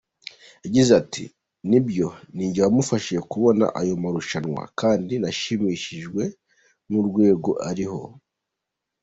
Yagize ati “ Nibyo ninjye wamufashije kubona ayo marushanwa kandi nashimishijwe ni urwego ariho.